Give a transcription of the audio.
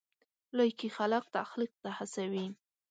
لایکي خلک تخلیق ته هڅوي.